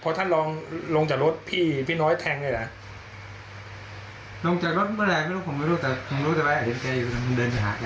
ข้อถ้าลองโรงลงจากรถพี่ปีน้อยแทงด้วยนะตอนน่าจะเลือกผมเหมือนกัน